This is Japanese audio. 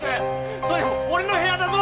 それ俺の部屋だぞ！